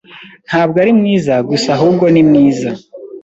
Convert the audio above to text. Ntabwo ari mwiza gusa, ahubwo ni mwiza.